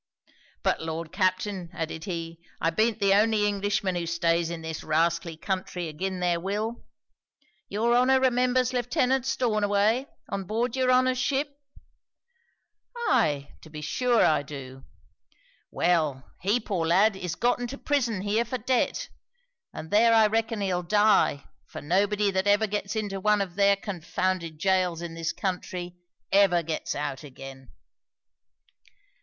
"But Lord, Captain," added he, "I be'nt the only Englishman who stays in this rascally country agin their will your honour remembers Lieutenant Stornaway, on board your honour's ship?" 'Aye, to be sure I do.' '"Well; he, poor lad, is got into prison here for debt, and there I reckon he'll die; for nobody that ever gets into one of their confounded jails in this country, ever gets out again."